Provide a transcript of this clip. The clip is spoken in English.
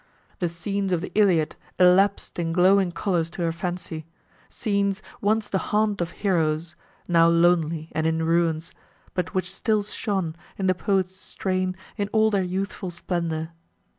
The scenes of the Illiad illapsed in glowing colours to her fancy—scenes, once the haunt of heroes—now lonely, and in ruins; but which still shone, in the poet's strain, in all their youthful splendour.